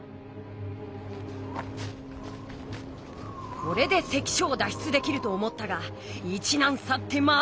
これで関所を脱出できると思ったが「一難去ってまた